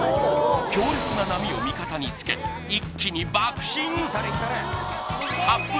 強烈な波を味方につけ一気に爆進！